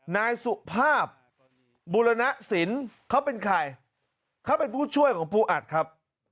นายสุภาพบุรณสินเขาเป็นใครเขาเป็นผู้ช่วยของปูอัดครับ